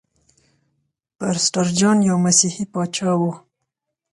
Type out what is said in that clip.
پرسټر جان یو مسیحي پاچا و.